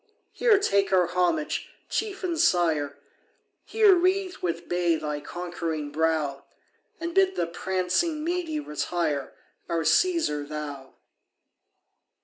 Here take our homage, Chief and Sire; Here wreathe with bay thy conquering brow, And bid the prancing Mede retire, Our Caesar thou!